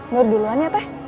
nur duluan ya teh